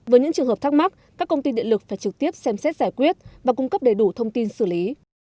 với những trường hợp thắc mắc các công ty điện lực phải trực tiếp xem xét giải quyết và cung cấp đầy đủ thông tin xử lý